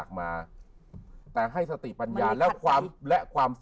ก็ดูหน้าลูกมาก่อน